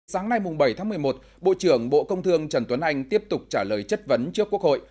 sáng nay bảy tháng một mươi một bộ trưởng bộ công thương trần tuấn anh tiếp tục trả lời chất vấn trước quốc hội